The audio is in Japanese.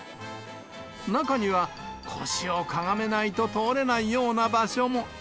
中には、腰をかがめないと通れないような場所も。